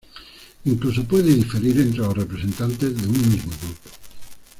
Incluso puede diferir entre los representantes de un mismo grupo.